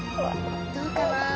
どうかな？